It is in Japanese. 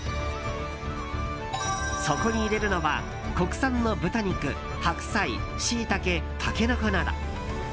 そこに入れるのは国産の豚肉白菜、シイタケ、タケノコなど。